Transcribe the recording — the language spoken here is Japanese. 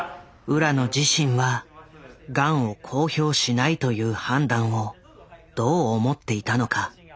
浦野自身はガンを公表しないという判断をどう思っていたのか。